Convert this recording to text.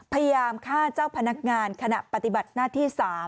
พยายามฆ่าเจ้าพนักงานขณะปฏิบัติหน้าที่๓